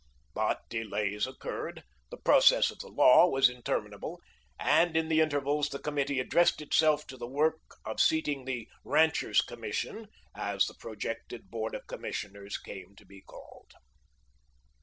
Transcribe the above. But delays occurred, the process of the law was interminable, and in the intervals the committee addressed itself to the work of seating the "Ranchers' Commission," as the projected Board of Commissioners came to be called.